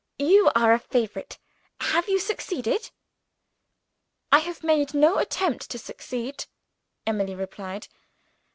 "You are a favorite. Have you succeeded?" "I have made no attempt to succeed," Emily replied.